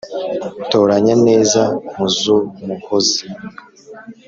toranya neza mu z' umuhozi